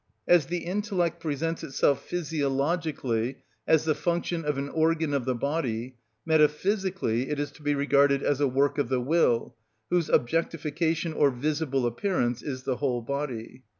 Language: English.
As the intellect presents itself physiologically as the function of an organ of the body, metaphysically it is to be regarded as a work of the will, whose objectification or visible appearance is the whole body.